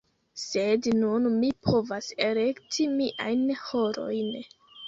Sed nun mi povas elekti miajn horojn.